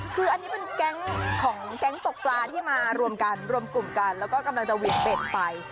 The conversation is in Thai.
คืออันนี้เป็นแก๊งของที่มารวมกันแล้วก็กำลังจะหวีิงเบ็ดไป